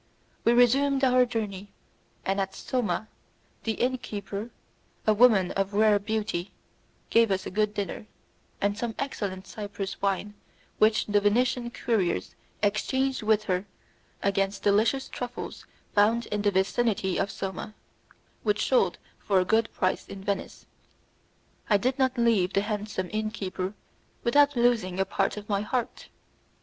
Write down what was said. We resumed our journey, and at Soma, the inn keeper, a woman of rare beauty, gave us a good dinner, and some excellent Cyprus wine which the Venetian couriers exchanged with her against delicious truffles found in the vicinity of Soma, which sold for a good price in Venice. I did not leave the handsome inn keeper without losing a part of my heart.